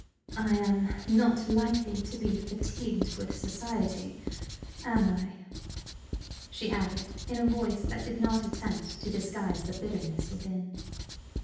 "I am not likely to be fatigued with society, am I?" she added, in a voice that did not attempt to disguise the bitterness within.